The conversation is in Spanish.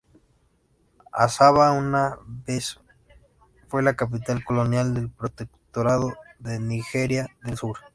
Asaba una vez fue la capital colonial del Protectorado de Nigeria del Sur.